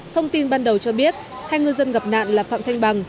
thông tin ban đầu cho biết hai ngư dân gặp nạn là phạm thanh bằng